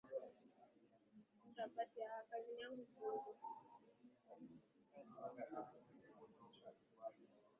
kabisa Sehemu kubwa ya askari waliuawa katika muda wa dakika chache pamoja na jemadari